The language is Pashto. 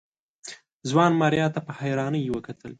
ځوان ماريا ته په حيرانۍ وکتل.